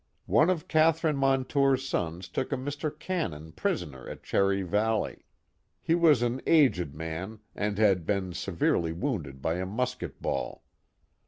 One of Catherine Montour's sons took a Mr. Cannon prisoner at Cherr) Valley. He was an aged man and had been seveiely wi>unded by a musket ball.